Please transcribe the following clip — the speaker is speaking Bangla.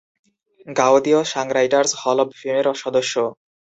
গাউদিও সংরাইটার্স হল অব ফেমের সদস্য।